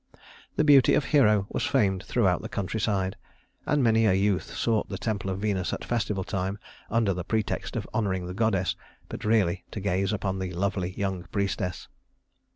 The beauty of Hero was famed throughout the country side; and many a youth sought the temple of Venus at festival time under the pretext of honoring the goddess, but really to gaze upon the lovely young priestess.